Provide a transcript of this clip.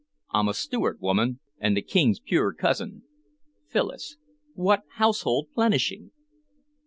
I'm a Stewart, woman, an' the King's puir cousin." Phyllis. "What household plenishing?"